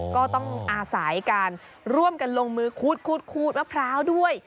ก็ต้องอาศัยการร่วมกันลงมือขูดมะพร้าวด้วย